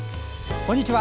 こんにちは。